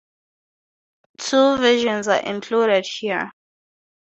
Two versions are included here.